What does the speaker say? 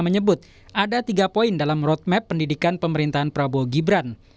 menyebut ada tiga poin dalam roadmap pendidikan pemerintahan prabowo gibran